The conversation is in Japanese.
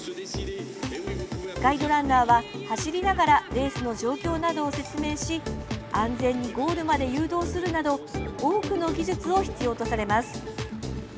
ガイドランナーは、走りながらレースの状況などを説明し安全にゴールまで誘導するなど多くの技術を必要とされます。